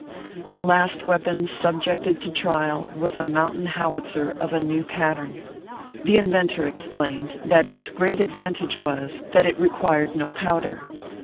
The last weapon subjected to trial was a mountain howitzer of a new pattern. The inventor explained that its great advantage was, that it required no powder.